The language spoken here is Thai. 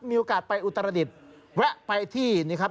มีโอกาสไปอุตรดิษฐ์แวะไปที่นี่ครับ